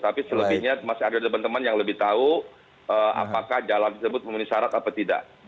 tapi selebihnya masih ada teman teman yang lebih tahu apakah jalan tersebut memenuhi syarat atau tidak